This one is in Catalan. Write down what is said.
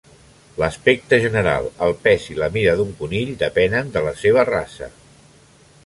L'aspecte general, el pes i la mida d'un conill depenen de la seva raça.